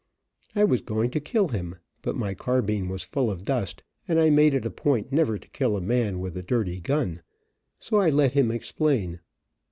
I was going to kill him, but my carbine was full of dust, and I made it a point never to kill a man with a dirty gun, so I let him explain.